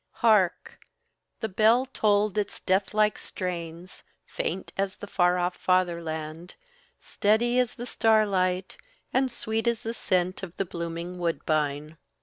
Hark! The bell tolled its death like strains, faint as the far off fatherland, steady as the starlight, and sweet as the scent of the blooming woodbine.